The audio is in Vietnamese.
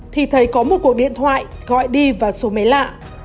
thì thầy có một cuộc điện thoại gọi đi vào số máy lạ